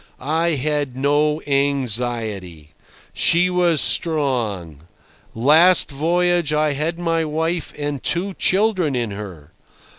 I had no anxiety. She was strong. Last voyage I had my wife and two children in her.